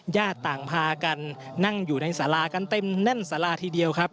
ญาติต่างพากันนั่งอยู่ในสารากันเต็มแน่นสาราทีเดียวครับ